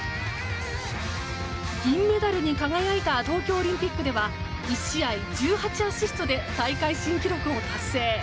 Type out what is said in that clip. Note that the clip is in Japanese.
銀メダルに輝いた東京オリンピックでは１試合１８アシストで大会新記録を達成。